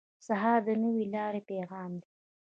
سهار د نوې لارې پیغام دی.